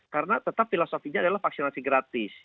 karena tetap filosofinya adalah vaksinasi gratis